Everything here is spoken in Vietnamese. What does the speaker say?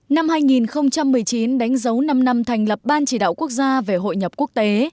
năm hai nghìn một mươi chín đánh dấu năm năm thành lập ban chỉ đạo quốc gia về hội nhập quốc tế